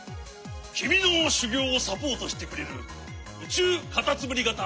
きみのしゅぎょうをサポートしてくれるうちゅうカタツムリがた